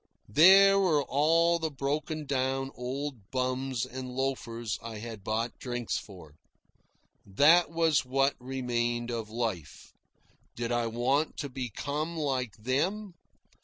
There were all the broken down old bums and loafers I had bought drinks for. That was what remained of life. Did I want to become like them?